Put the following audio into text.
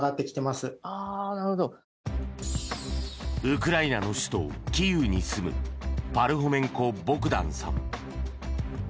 ウクライナの首都キーウに住むパルホメンコ・ボグダンさん。